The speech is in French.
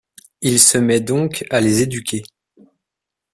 Il se met donc à les éduquer.